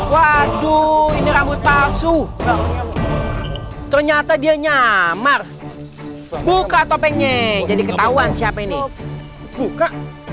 waduh ini rambut palsu ternyata dia nyamar buka topengnya jadi ketahuan siapa ini buka